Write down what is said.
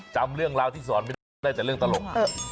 จำเรื่องราวที่สอนไม่ได้แต่เรื่องตลก